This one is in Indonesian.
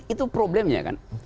itu problemnya kan